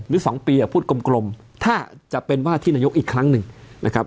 หรือ๒ปีพูดกลมถ้าจะเป็นว่าที่นายกอีกครั้งหนึ่งนะครับ